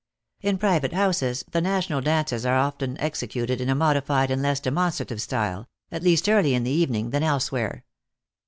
In private houses the national dances are often executed in a modified and less demonstrative style, at least early in the evening, than elsewhere.